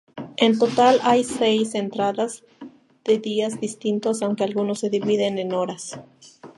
En total hay seis entradas de días distintos, aunque algunas se dividen en horas.